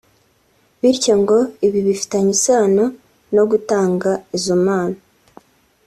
bityo ngo ibi bifitanye isano no gutanga izo mpano